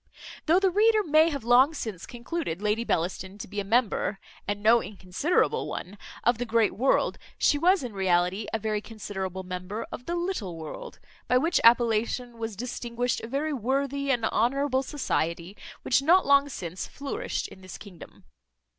Though the reader may have long since concluded Lady Bellaston to be a member (and no inconsiderable one) of the great world; she was in reality a very considerable member of the little world; by which appellation was distinguished a very worthy and honourable society which not long since flourished in this kingdom.